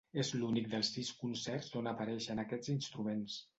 És l'únic dels sis concerts on apareixen aquests instruments.